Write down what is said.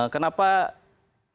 kenapa pak amin